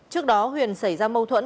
trước đó huyền xảy ra mâu thuẫn